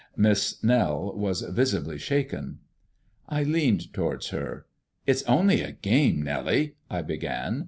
Miss Nell was visibly shaken. I leaned towards her. "It's only a game, Nellie " I began.